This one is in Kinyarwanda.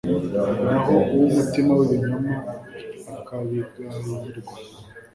naho uw’umutima w’ibinyoma akabigayirwa